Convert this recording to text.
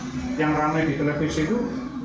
jadi dia mengaku ngaku yang dia tidak seharusnya dia lakukan